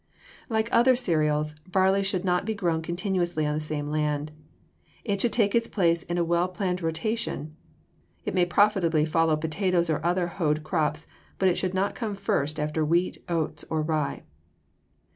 Like other cereals, barley should not be grown continuously on the same land. It should take its place in a well planned rotation. It may profitably follow potatoes or other hoed crops, but it should not come first after wheat, oats, or rye.